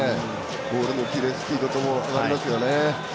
ボールのキレ、スピードともに上がりますよね。